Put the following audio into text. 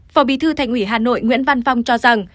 phó bí thư thành ủy hà nội nguyễn văn phong cho rằng